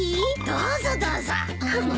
どうぞどうぞ。